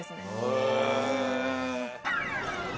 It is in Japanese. へえ。